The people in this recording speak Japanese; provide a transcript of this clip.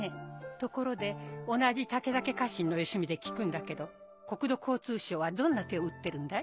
ところで同じ武田家家臣のよしみで聞くんだけど国土交通省はどんな手を打ってるんだい？